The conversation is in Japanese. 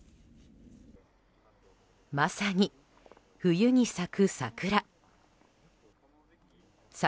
まさに、冬に咲く桜。